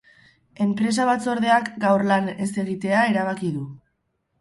Enpresa batzordeak gaur lan ez egitea erabaki du.